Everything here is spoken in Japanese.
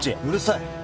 うるさい！